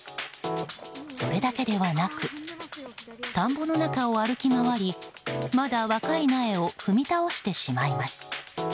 それだけではなく田んぼの中を歩き回りまだ若い苗を踏み倒してしまいます。